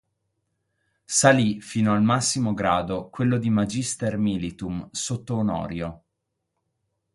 Salì fino al massimo grado, quello di "magister militum", sotto Onorio.